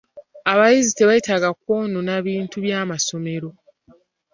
Abayizi tebalina kwonoona bintu bya ssomero.